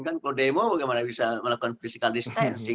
kan kalau demo bagaimana bisa melakukan physical distancing